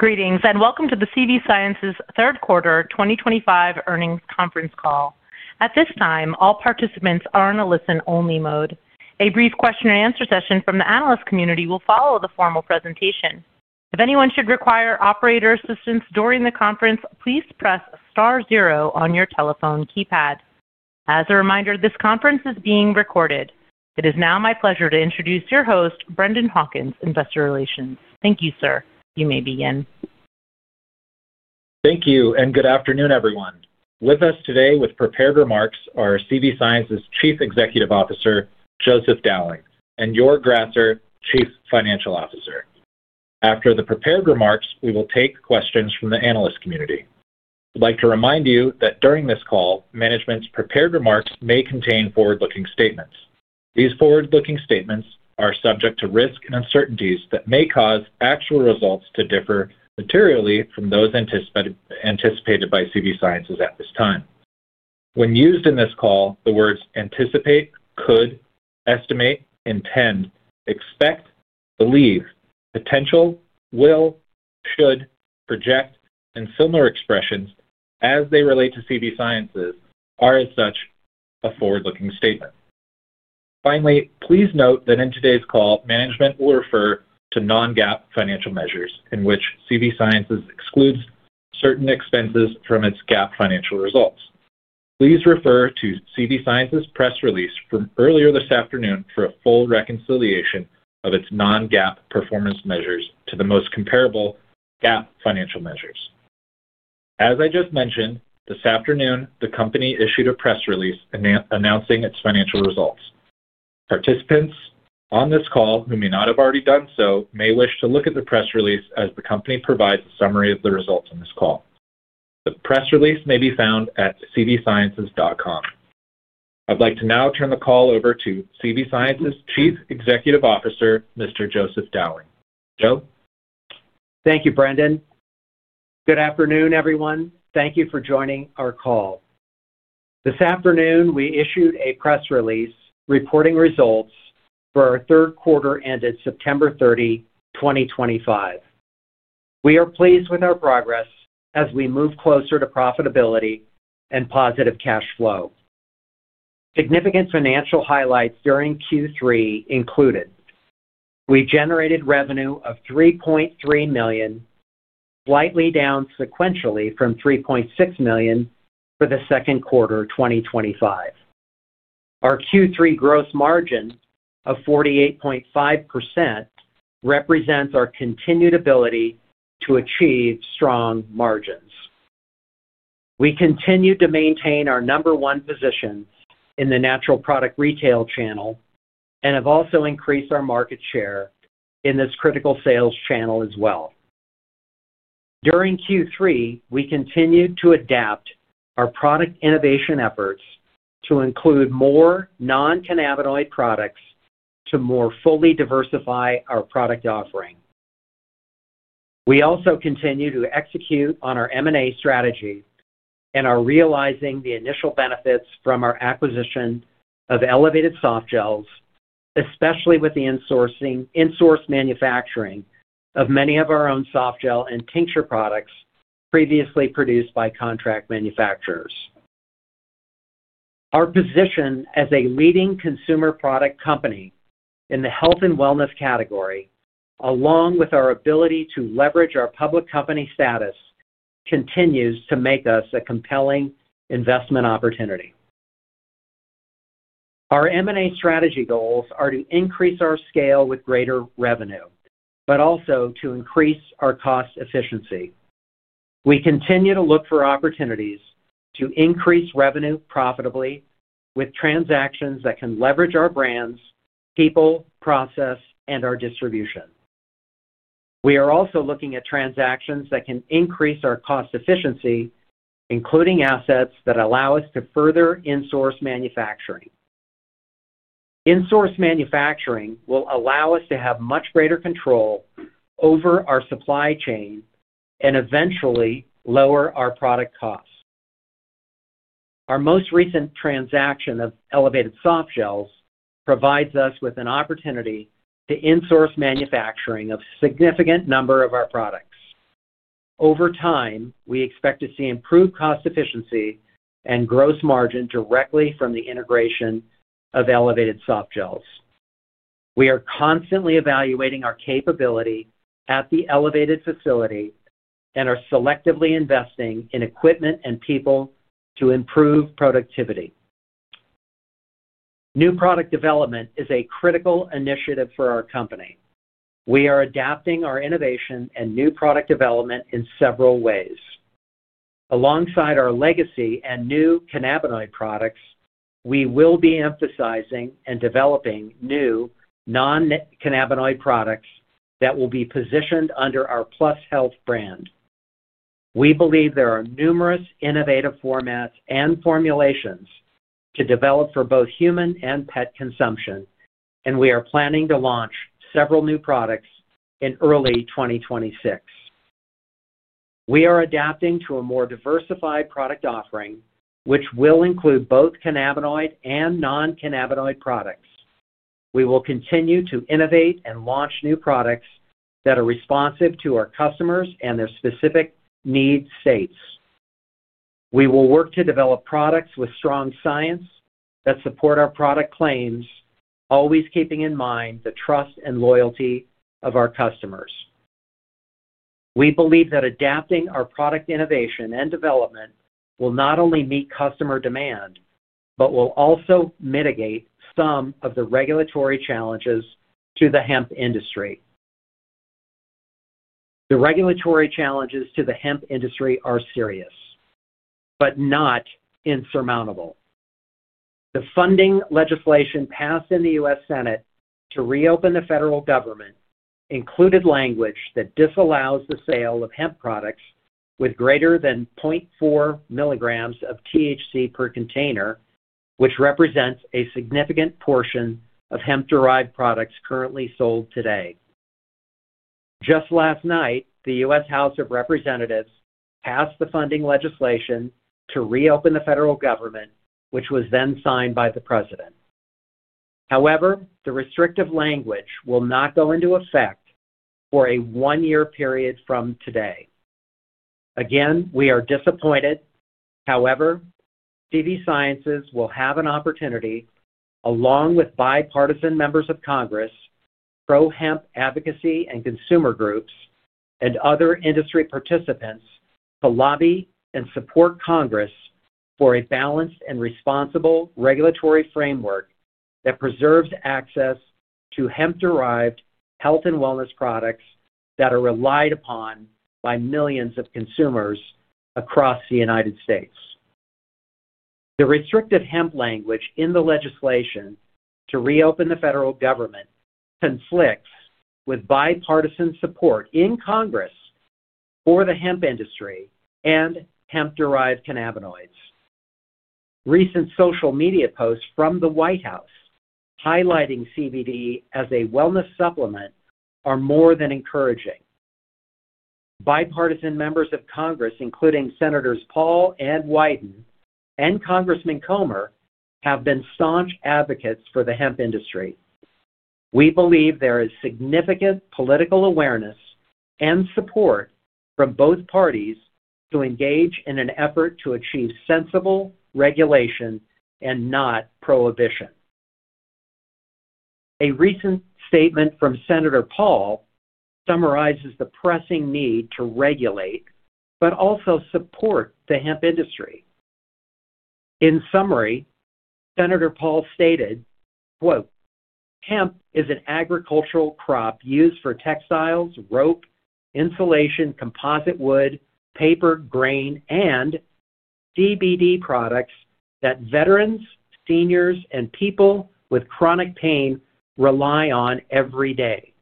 Greetings and welcome to the CV Sciences third quarter 2025 earnings conference call. At this time, all participants are in a listen-only mode. A brief question-and-answer session from the analyst community will follow the formal presentation. If anyone should require operator assistance during the conference, please press star zero on your telephone keypad. As a reminder, this conference is being recorded. It is now my pleasure to introduce your host, Brendan Hawkins, Investor Relations. Thank you, sir. You may begin. Thank you and good afternoon, everyone. With us today with prepared remarks are CV Sciences Chief Executive Officer, Joseph Dowling, and Joerg Grasser, Chief Financial Officer. After the prepared remarks, we will take questions from the analyst community. I'd like to remind you that during this call, management's prepared remarks may contain forward-looking statements. These forward-looking statements are subject to risk and uncertainties that may cause actual results to differ materially from those anticipated by CV Sciences at this time. When used in this call, the words anticipate, could, estimate, intend, expect, believe, potential, will, should, project, and similar expressions as they relate to CV Sciences are, as such, a forward-looking statement. Finally, please note that in today's call, management will refer to non-GAAP financial measures in which CV Sciences excludes certain expenses from its GAAP financial results. Please refer to CV Sciences' press release from earlier this afternoon for a full reconciliation of its non-GAAP performance measures to the most comparable GAAP financial measures. As I just mentioned, this afternoon, the company issued a press release announcing its financial results. Participants on this call who may not have already done so may wish to look at the press release as the company provides a summary of the results in this call. The press release may be found at cvsciences.com. I'd like to now turn the call over to CV Sciences Chief Executive Officer, Mr. Joseph Dowling. Joe. Thank you, Brendan. Good afternoon, everyone. Thank you for joining our call. This afternoon, we issued a press release reporting results for our third quarter ended September 30, 2025. We are pleased with our progress as we move closer to profitability and positive cash flow. Significant financial highlights during Q3 included: we generated revenue of $3.3 million, slightly down sequentially from $3.6 million for the second quarter 2025. Our Q3 gross margin of 48.5% represents our continued ability to achieve strong margins. We continue to maintain our number one position in the natural product retail channel and have also increased our market share in this critical sales channel as well. During Q3, we continued to adapt our product innovation efforts to include more non-cannabinoid products to more fully diversify our product offering. We also continue to execute on our M&A strategy and are realizing the initial benefits from our acquisition of Elevated Softgels, especially with the insourcing manufacturing of many of our own soft gel and tincture products previously produced by contract manufacturers. Our position as a leading consumer product company in the health and wellness category, along with our ability to leverage our public company status, continues to make us a compelling investment opportunity. Our M&A strategy goals are to increase our scale with greater revenue, but also to increase our cost efficiency. We continue to look for opportunities to increase revenue profitably with transactions that can leverage our brands, people, process, and our distribution. We are also looking at transactions that can increase our cost efficiency, including assets that allow us to further insource manufacturing. Insource manufacturing will allow us to have much greater control over our supply chain and eventually lower our product costs. Our most recent transaction of Elevated Softgels provides us with an opportunity to insource manufacturing of a significant number of our products. Over time, we expect to see improved cost efficiency and gross margin directly from the integration of Elevated Softgels. We are constantly evaluating our capability at the Elevated facility and are selectively investing in equipment and people to improve productivity. New product development is a critical initiative for our company. We are adapting our innovation and new product development in several ways. Alongside our legacy and new cannabinoid products, we will be emphasizing and developing new non-cannabinoid products that will be positioned under our +PlusHLTH brand. We believe there are numerous innovative formats and formulations to develop for both human and pet consumption, and we are planning to launch several new products in early 2026. We are adapting to a more diversified product offering, which will include both cannabinoid and non-cannabinoid products. We will continue to innovate and launch new products that are responsive to our customers and their specific needs states. We will work to develop products with strong science that support our product claims, always keeping in mind the trust and loyalty of our customers. We believe that adapting our product innovation and development will not only meet customer demand, but will also mitigate some of the regulatory challenges to the hemp industry. The regulatory challenges to the hemp industry are serious, but not insurmountable. The funding legislation passed in the U.S. Senate to reopen the federal government included language that disallows the sale of hemp products with greater than 0.4 milligrams of THC per container, which represents a significant portion of hemp-derived products currently sold today. Just last night, the U.S. House of Representatives passed the funding legislation to reopen the federal government, which was then signed by the president. However, the restrictive language will not go into effect for a one-year period from today. Again, we are disappointed. However, CV Sciences will have an opportunity, along with bipartisan members of Congress, pro-hemp advocacy and consumer groups, and other industry participants, to lobby and support Congress for a balanced and responsible regulatory framework that preserves access to hemp-derived health and wellness products that are relied upon by millions of consumers across the United States. The restrictive hemp language in the legislation to reopen the federal government conflicts with bipartisan support in Congress for the hemp industry and hemp-derived cannabinoids. Recent social media posts from the White House highlighting CBD as a wellness supplement are more than encouraging. Bipartisan members of Congress, including Senators Paul and Wyden and Congressman Comer, have been staunch advocates for the hemp industry. We believe there is significant political awareness and support from both parties to engage in an effort to achieve sensible regulation and not prohibition. A recent statement from Senator Paul summarizes the pressing need to regulate, but also support the hemp industry. In summary, Senator Paul stated, "Hemp is an agricultural crop used for textiles, rope, insulation, composite wood, paper, grain, and CBD products that veterans, seniors, and people with chronic pain rely on every day."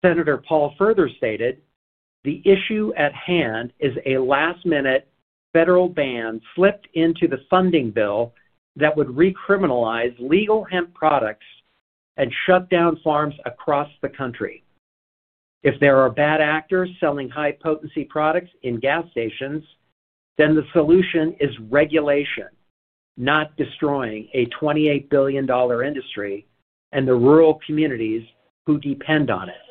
Senator Paul further stated, "The issue at hand is a last-minute federal ban slipped into the funding bill that would recriminalize legal hemp products and shut down farms across the country. If there are bad actors selling high-potency products in gas stations, then the solution is regulation, not destroying a $28 billion industry and the rural communities who depend on it."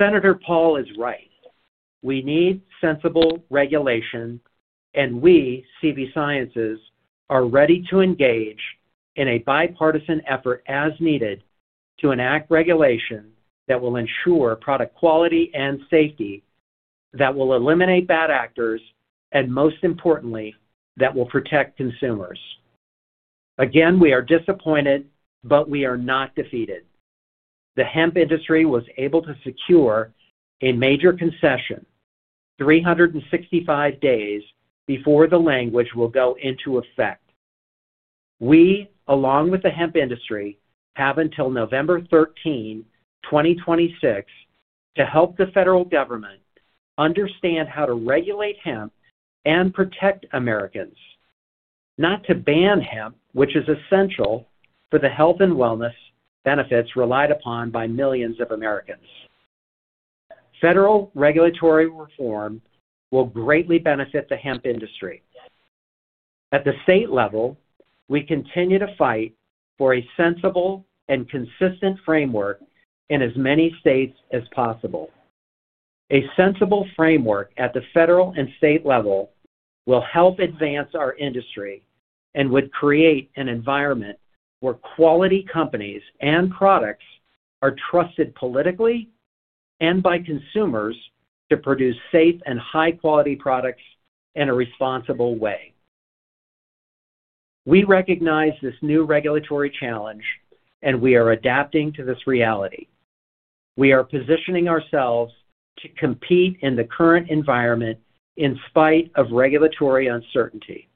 Senator Paul is right. We need sensible regulation, and we, CV Sciences, are ready to engage in a bipartisan effort as needed to enact regulation that will ensure product quality and safety, that will eliminate bad actors, and most importantly, that will protect consumers. Again, we are disappointed, but we are not defeated. The hemp industry was able to secure a major concession 365 days before the language will go into effect. We, along with the hemp industry, have until November 13, 2026, to help the federal government understand how to regulate hemp and protect Americans, not to ban hemp, which is essential for the health and wellness benefits relied upon by millions of Americans. Federal regulatory reform will greatly benefit the hemp industry. At the state level, we continue to fight for a sensible and consistent framework in as many states as possible. A sensible framework at the federal and state level will help advance our industry and would create an environment where quality companies and products are trusted politically and by consumers to produce safe and high-quality products in a responsible way. We recognize this new regulatory challenge, and we are adapting to this reality. We are positioning ourselves to compete in the current environment in spite of regulatory uncertainty.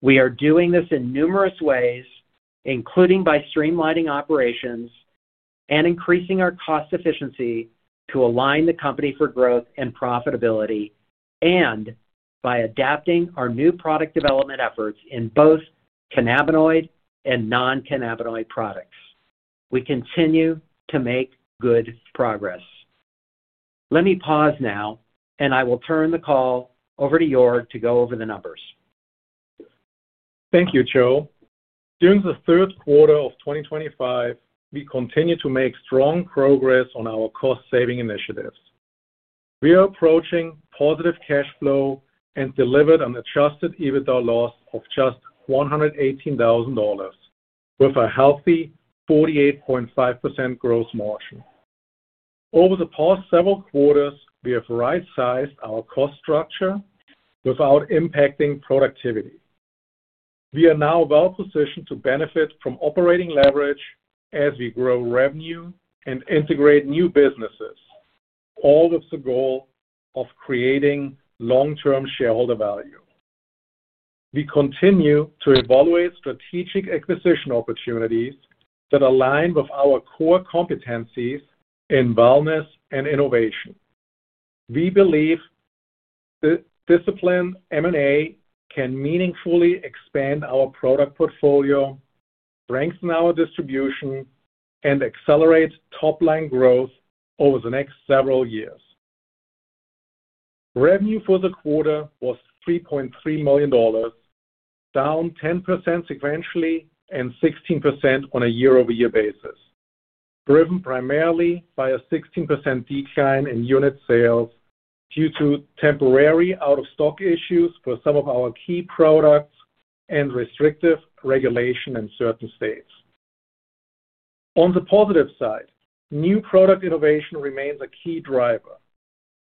We are doing this in numerous ways, including by streamlining operations and increasing our cost efficiency to align the company for growth and profitability, and by adapting our new product development efforts in both cannabinoid and non-cannabinoid products. We continue to make good progress. Let me pause now, and I will turn the call over to Joerg to go over the numbers. Thank you, Joe. During the third quarter of 2025, we continue to make strong progress on our cost-saving initiatives. We are approaching positive cash flow and delivered an Adjusted EBITDA loss of just $118,000, with a healthy 48.5% gross margin. Over the past several quarters, we have right-sized our cost structure without impacting productivity. We are now well-positioned to benefit from operating leverage as we grow revenue and integrate new businesses, all with the goal of creating long-term shareholder value. We continue to evaluate strategic acquisition opportunities that align with our core competencies in wellness and innovation. We believe that disciplined M&A can meaningfully expand our product portfolio, strengthen our distribution, and accelerate top-line growth over the next several years. Revenue for the quarter was $3.3 million, down 10% sequentially and 16% on a year-over-year basis, driven primarily by a 16% decline in unit sales due to temporary out-of-stock issues for some of our key products and restrictive regulation in certain states. On the positive side, new product innovation remains a key driver.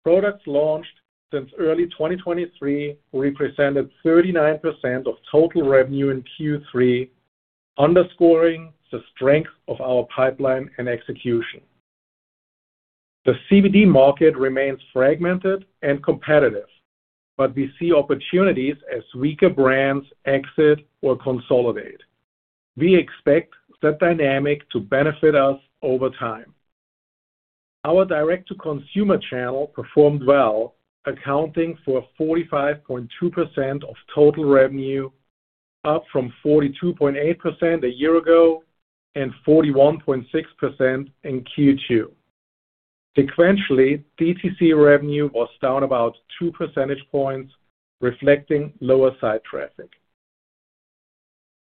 Products launched since early 2023 represented 39% of total revenue in Q3, underscoring the strength of our pipeline and execution. The CBD market remains fragmented and competitive, but we see opportunities as weaker brands exit or consolidate. We expect that dynamic to benefit us over time. Our direct-to-consumer channel performed well, accounting for 45.2% of total revenue, up from 42.8% a year ago and 41.6% in Q2. Sequentially, DTC revenue was down about two percentage points, reflecting lower site traffic.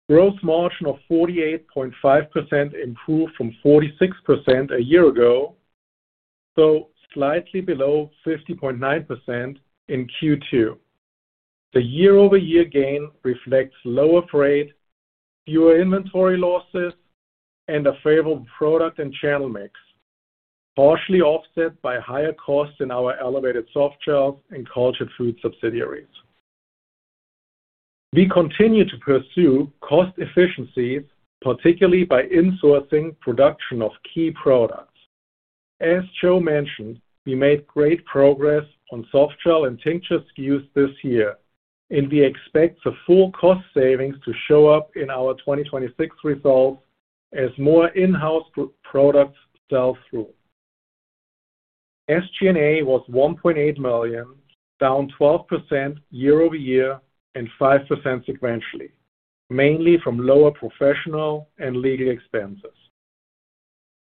Gross margin of 48.5% improved from 46% a year ago, though slightly below 50.9% in Q2. The year-over-year gain reflects lower freight, fewer inventory losses, and a favorable product and channel mix, partially offset by higher costs in our Elevated Softgels and Cultured Foods subsidiaries. We continue to pursue cost efficiencies, particularly by insourcing production of key products. As Joerg mentioned, we made great progress on soft gel and tincture SKUs this year, and we expect the full cost savings to show up in our 2026 results as more in-house products sell through. SG&A was $1.8 million, down 12% year-over-year and 5% sequentially, mainly from lower professional and legal expenses.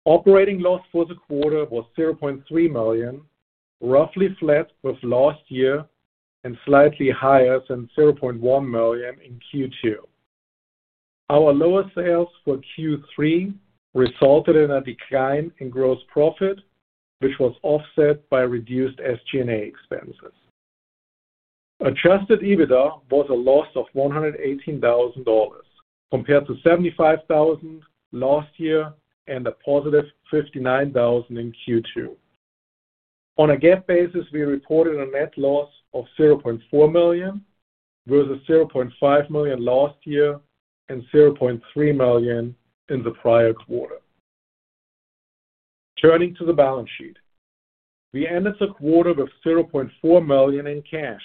Operating loss for the quarter was $0.3 million, roughly flat with last year and slightly higher than $0.1 million in Q2. Our lower sales for Q3 resulted in a decline in gross profit, which was offset by reduced SG&A expenses. Adjusted EBITDA was a loss of $118,000 compared to $75,000 last year and a positive $59,000 in Q2. On a GAAP basis, we reported a net loss of $0.4 million versus $0.5 million last year and $0.3 million in the prior quarter. Turning to the balance sheet, we ended the quarter with $0.4 million in cash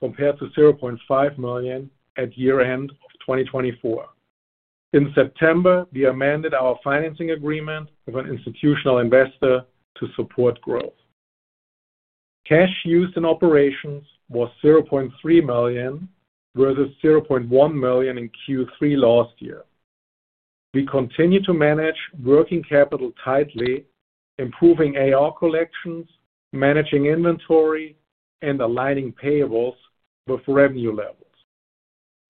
compared to $0.5 million at year-end of 2024. In September, we amended our financing agreement with an institutional investor to support growth. Cash used in operations was $0.3 million versus $0.1 million in Q3 last year. We continue to manage working capital tightly, improving AR collections, managing inventory, and aligning payables with revenue levels.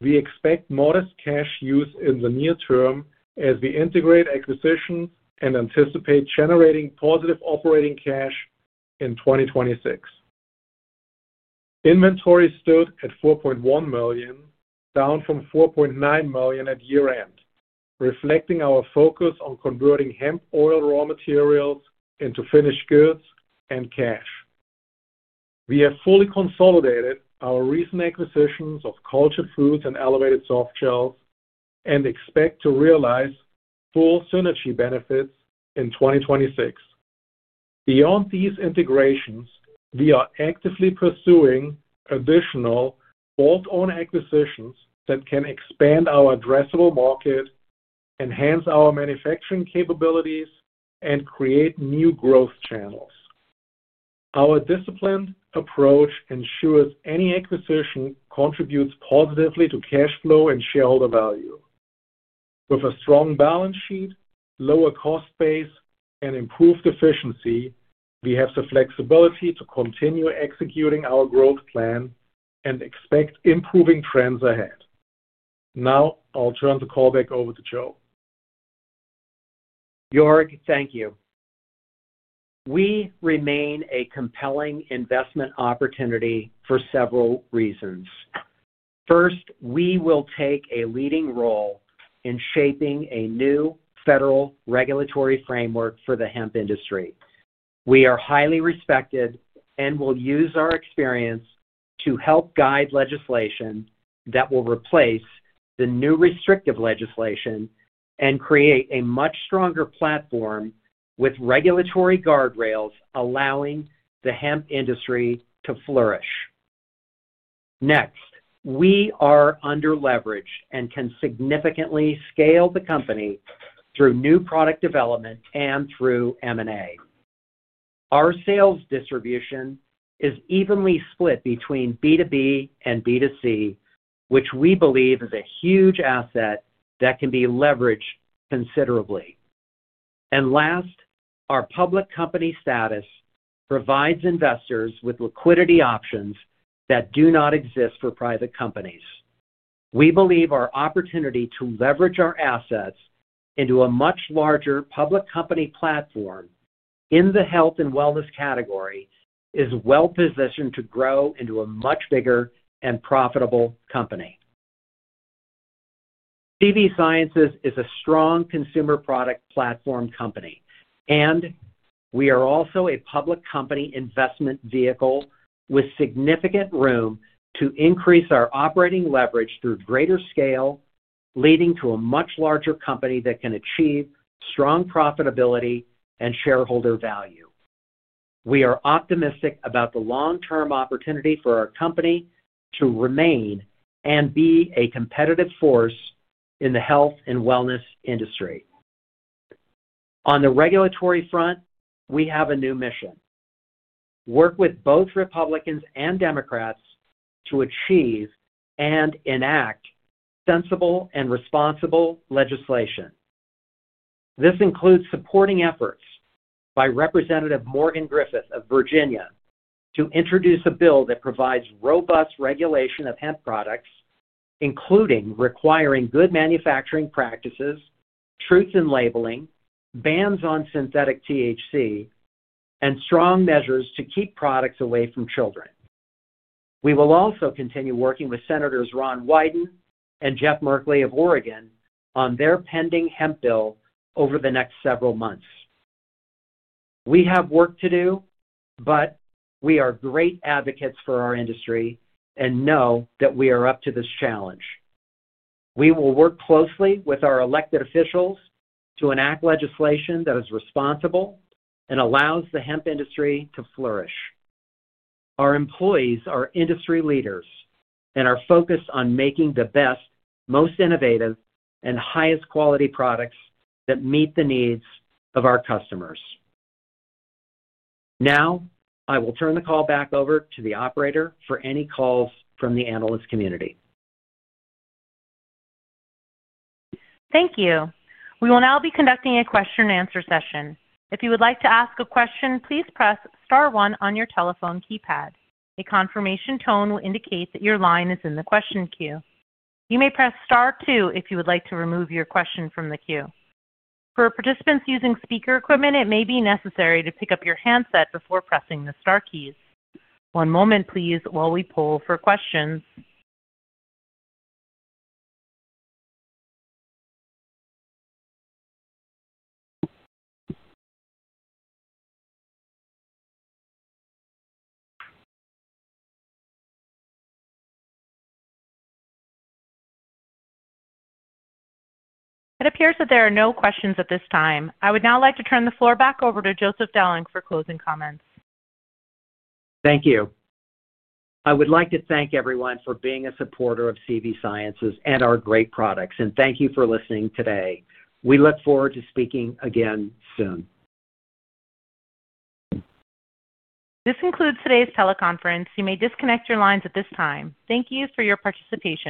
We expect modest cash use in the near term as we integrate acquisitions and anticipate generating positive operating cash in 2026. Inventory stood at $4.1 million, down from $4.9 million at year-end, reflecting our focus on converting hemp oil raw materials into finished goods and cash. We have fully consolidated our recent acquisitions of Cultured Foods and Elevated Softgels and expect to realize full synergy benefits in 2026. Beyond these integrations, we are actively pursuing additional bought-on acquisitions that can expand our addressable market, enhance our manufacturing capabilities, and create new growth channels. Our disciplined approach ensures any acquisition contributes positively to cash flow and shareholder value. With a strong balance sheet, lower cost base, and improved efficiency, we have the flexibility to continue executing our growth plan and expect improving trends ahead. Now, I'll turn the call back over to Joe. Joerg, thank you. We remain a compelling investment opportunity for several reasons. First, we will take a leading role in shaping a new federal regulatory framework for the hemp industry. We are highly respected and will use our experience to help guide legislation that will replace the new restrictive legislation and create a much stronger platform with regulatory guardrails allowing the hemp industry to flourish. Next, we are under-leveraged and can significantly scale the company through new product development and through M&A. Our sales distribution is evenly split between B2B and B2C, which we believe is a huge asset that can be leveraged considerably. Last, our public company status provides investors with liquidity options that do not exist for private companies. We believe our opportunity to leverage our assets into a much larger public company platform in the health and wellness category is well-positioned to grow into a much bigger and profitable company. CV Sciences is a strong consumer product platform company, and we are also a public company investment vehicle with significant room to increase our operating leverage through greater scale, leading to a much larger company that can achieve strong profitability and shareholder value. We are optimistic about the long-term opportunity for our company to remain and be a competitive force in the health and wellness industry. On the regulatory front, we have a new mission: work with both Republicans and Democrats to achieve and enact sensible and responsible legislation. This includes supporting efforts by Representative Morgan Griffith of Virginia to introduce a bill that provides robust regulation of hemp products, including requiring good manufacturing practices, truth in labeling, bans on synthetic THC, and strong measures to keep products away from children. We will also continue working with Senators Ron Wyden and Jeff Merkley of Oregon on their pending hemp bill over the next several months. We have work to do, but we are great advocates for our industry and know that we are up to this challenge. We will work closely with our elected officials to enact legislation that is responsible and allows the hemp industry to flourish. Our employees are industry leaders and are focused on making the best, most innovative, and highest-quality products that meet the needs of our customers. Now, I will turn the call back over to the operator for any calls from the analyst community. Thank you. We will now be conducting a question-and-answer session. If you would like to ask a question, please press star one on your telephone keypad. A confirmation tone will indicate that your line is in the question queue. You may press star 2 if you would like to remove your question from the queue. For participants using speaker equipment, it may be necessary to pick up your handset before pressing the star keys. One moment, please, while we poll for questions. It appears that there are no questions at this time. I would now like to turn the floor back over to Joseph Dowling for closing comments. Thank you. I would like to thank everyone for being a supporter of CV Sciences and our great products, and thank you for listening today. We look forward to speaking again soon. This concludes today's teleconference. You may disconnect your lines at this time. Thank you for your participation.